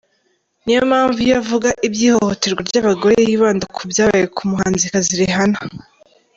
Niyo mpamvu iyo avuga iby’ihohoterwa ry’abagore, yibanda ku byabaye ku muhanzikazi Rihanna.